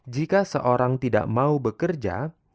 jika seorang tidak mau bekerja